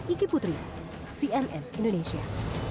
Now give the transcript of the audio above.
iki putri cnn indonesia